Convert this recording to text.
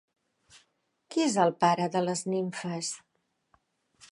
Qui és el pare de les nimfes?